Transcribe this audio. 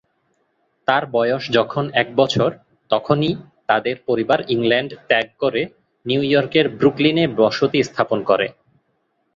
তার বয়স যখন এক বছর তখনই তাদের পরিবার ইংল্যান্ড ত্যাগ করে নিউ ইয়র্কের ব্রুকলিনে বসতি স্থাপন করে।